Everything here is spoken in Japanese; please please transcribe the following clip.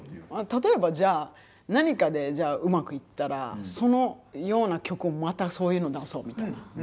例えばじゃあ何かでうまくいったらそのような曲をまたそういうの出そうみたいな。